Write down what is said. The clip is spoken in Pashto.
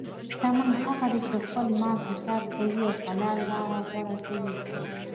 شتمن هغه دی چې د خپل مال حساب کوي او حلال لاره غوره کوي.